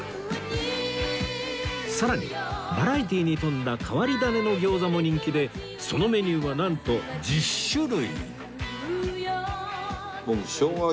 さらにバラエティーに富んだ変わり種の餃子も人気でそのメニューはなんと１０種類！